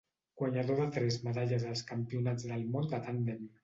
Guanyador de tres medalles als Campionats del món de tàndem.